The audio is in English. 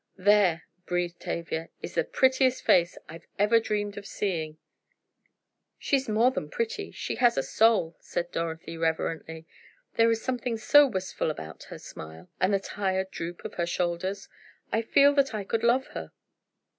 "There," breathed Tavia, "is the prettiest face I've ever dreamed of seeing." "She's more than pretty, she has a soul," said Dorothy, reverently. "There is something so wistful about her smile and the tired droop of her shoulders. I feel that I could love her!"